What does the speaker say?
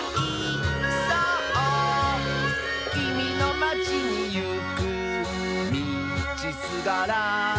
「きみのまちにいくみちすがら」